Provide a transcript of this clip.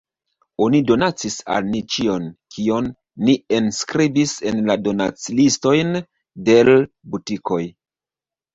Oni donacis al ni ĉion, kion ni enskribis en la donaclistojn de l’ butikoj.